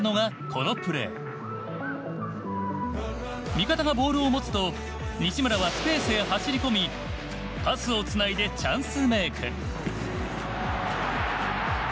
味方がボールを持つと西村はスペースへ走り込みパスをつないでチャンスメーク。